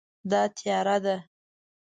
دا تیاره ده